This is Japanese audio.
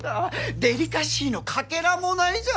デリカシーのかけらもないじゃない！